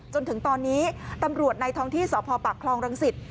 จนถึงตอนนี้ตำรวจในท้องที่สพปากคลองรังสิต